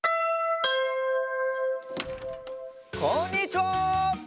こんにちは！